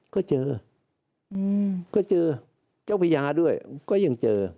ก็เจอก็เจอเจ้าพญาด้วยก็ยังเจอ